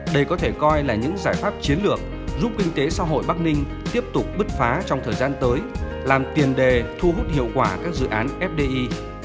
đây có thể coi là những giải pháp chiến lược giúp kinh tế xã hội bắc ninh tiếp tục bứt phá trong thời gian tới làm tiền đề thu hút hiệu quả các dự án fdi